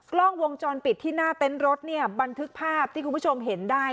กล้องวงจรปิดที่หน้าเต็นต์รถเนี่ยบันทึกภาพที่คุณผู้ชมเห็นได้